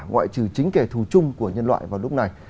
ngoại trừ chính kẻ thù chung của nhân loại vào lúc này